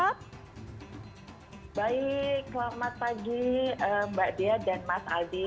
baik selamat pagi mbak dia dan mas adi